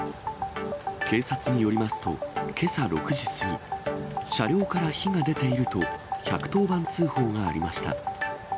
警察によりますと、けさ６時過ぎ、車両から火が出ていると、１１０番通報がありました。